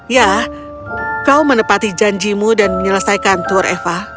ya kau menepati janjimu dan menyelesaikan tur eva